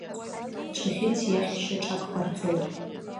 Ҷыӷьыц иахь шьаҿак ҟарҵоит.